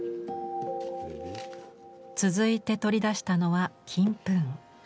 続いて取り出したのは金粉。